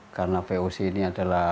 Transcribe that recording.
karena voc ini ada